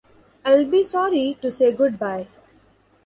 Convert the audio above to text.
I'll be sorry to say goodbye.